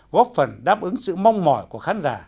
góp phần đáp ứng sự mong mỏi của khán giả